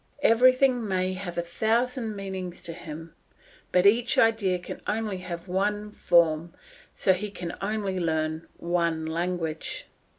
Everything may have a thousand meanings to him, but each idea can only have one form, so he can only learn one language.